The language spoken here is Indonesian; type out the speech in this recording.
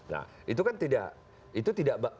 nah itu kan tidak